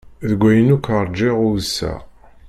Deg wayen akk rǧiɣ uyseɣ.